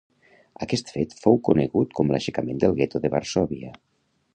Aquest fet fou conegut com l'Aixecament del Gueto de Varsòvia.